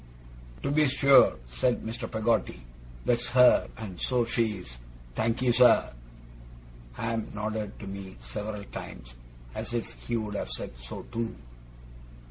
'To be sure,' said Mr. Peggotty. 'That's her, and so she is. Thankee, sir.' Ham nodded to me several times, as if he would have said so too.